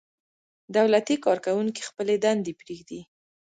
دولتي کارکوونکي خپلې دندې پرېږدي.